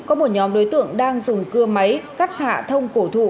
có một nhóm đối tượng đang dùng cưa máy cắt hạ thông cổ thụ